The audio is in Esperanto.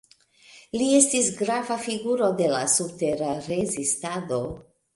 Li estis grava figuro de la subtera rezistado.